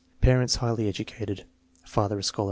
Parents highly educated, father a scholar.